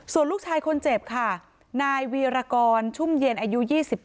ส่วนลูกชายคนเจ็บค่ะนายวีรกรชุ่มเย็นอายุ๒๗